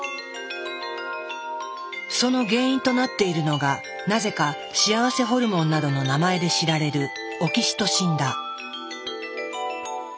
その原因となっているのがなぜか幸せホルモンなどの名前で知られるオキシトシンだ。